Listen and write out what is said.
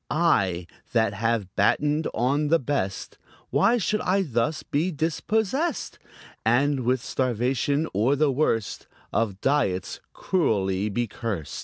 I, that have battened on the best, Why should I thus be dispossessed And with starvation, or the worst Of diets, cruelly be curst?